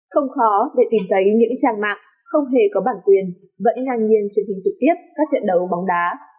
không khó để tìm thấy những trang mạng không hề có bản quyền vẫn ngang nhiên truyền hình trực tiếp các trận đấu bóng đá